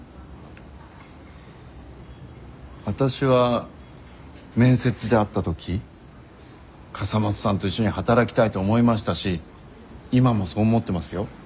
わたしは面接で会った時笠松さんと一緒に働きたいと思いましたし今もそう思ってますよ。